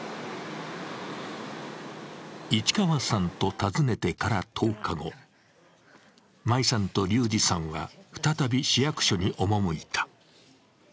市川さんと訪ねてから１０日後、舞さんと龍志さんは再び市役所に赴いた。